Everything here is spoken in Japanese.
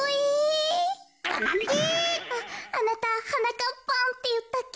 あなたはなかっぱんっていったっけ？